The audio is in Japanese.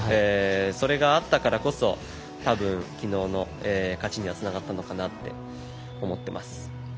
それがあったからこそたぶん、きのうの勝ちにはつながったのかなって思ってます。